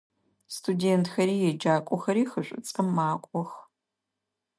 Студентхэри еджакӏохэри хы Шӏуцӏэм макӏох.